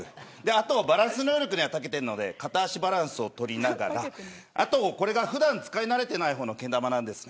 あと、バランス能力にはたけてるので片足バランスを取りながらあと、これが普段使い慣れてない方のけん玉なんですね。